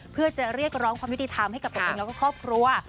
เพื่อจะเรียกร้องความยุติธรรมให้กับตัวเองแล้วก็ครอบครัว